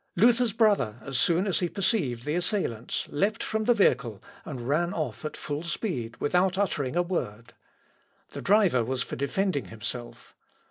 Luther's brother, as soon as he perceived the assailants, lept from the vehicle, and ran off at full speed without uttering a word. The driver was for defending himself.